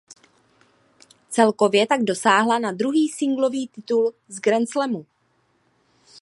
Celkově tak dosáhla na druhý singlový titul z Grand Slamu.